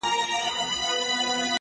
لمن كي مي د سپينو ملغلرو كور ودان دى’